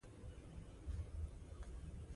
زه د دې لپاره راغلم.